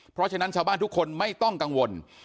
เพราะฉะนั้นชาวบ้านทุกคนไม่ต้องกังวล